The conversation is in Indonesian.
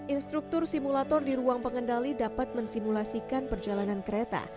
instruktur simulator di ruang pengendali dapat mensimulasikan perjalanan kereta